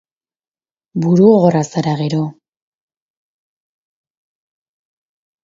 Burugogorra zara, gero!